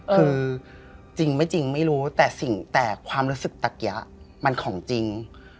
คือจริงไม่จริงไม่รู้แต่ความรู้สึกตักยะมันของจริง